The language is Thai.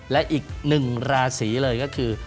และอีกหนึ่งราศีเลยก็คือ